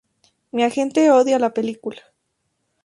Mi agente odia la película.